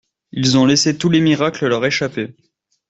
Ils ont laissé tous les miracles leur échapper.